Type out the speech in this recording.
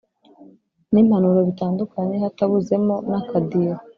n’impanuro bitandukanye hatabuzemo n’akadiho